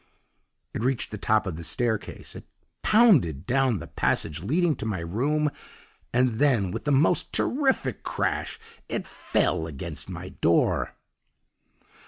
"It reached the top of the staircase, it pounded down the passage leading to my room; and then, with the most terrific crash, it FELL against my door!